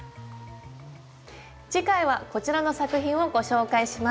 次回はこちらの作品をご紹介します。